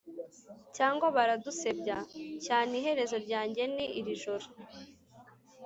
cyangwa. baradusebya? cyaneiherezo ryanjye ni iri joro